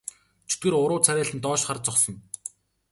Чөтгөр уруу царайлан доош харж зогсоно.